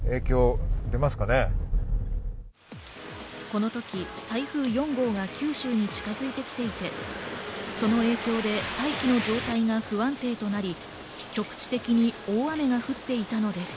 このとき台風４号が九州に近づいてきていて、その影響で大気の状態が不安定となり、局地的に大雨が降っていたのです。